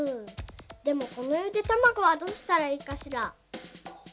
でもこのゆでたまごはどうしたらいいかしら。